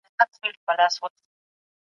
زکات د غریبو خلګو د ژوند تضمین دی.